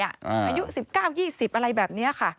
อายุ๑๙๒๐อะไรแบบนี้ค่ะ